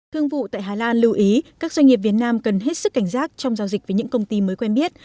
thương vụ tại hà lan lưu ý các doanh nghiệp việt nam cần hết sức cảnh giác trong giao dịch với những công ty mới quen biết